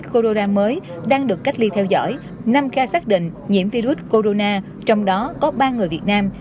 corona mới đang được cách ly theo dõi năm ca xác định nhiễm virus corona trong đó có ba người việt nam